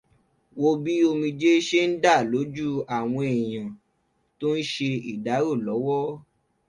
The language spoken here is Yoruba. Wo bí omijé ṣe ń dà lójú àwọn èèyàn tń ń ṣe ìdárò lọ́wọ́.